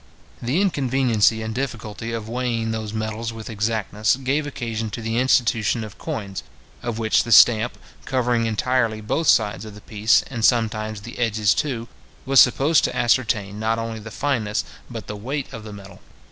The inconveniency and difficulty of weighing those metals with exactness, gave occasion to the institution of coins, of which the stamp, covering entirely both sides of the piece, and sometimes the edges too, was supposed to ascertain not only the fineness, but the weight of the metal.